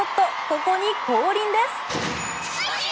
ここに降臨です。